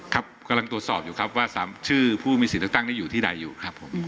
กำลังตรวจสอบอยู่ครับว่า๓ชื่อผู้มีสิทธิ์เลือกตั้งได้อยู่ที่ใดอยู่ครับผม